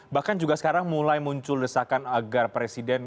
bahkan juga sekarang mulai muncul desakan agar presiden